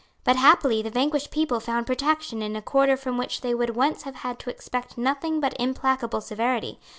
But, happily, the vanquished people found protection in a quarter from which they would once have had to expect nothing but implacable severity.